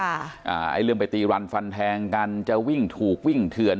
ไอ้เรื่องไปตีรันฟันแทงกันจะวิ่งถูกวิ่งเถื่อน